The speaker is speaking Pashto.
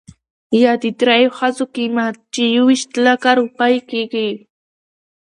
يا د درېو ښځو قيمت، چې يويشت لکه روپۍ کېږي .